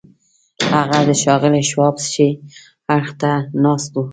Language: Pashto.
هغه د ښاغلي شواب ښي اړخ ته ناست و